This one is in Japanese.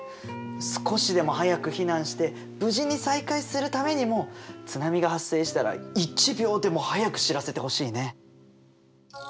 少しでも早く避難して無事に再会するためにも津波が発生したら一秒でも早く知らせてほしいね。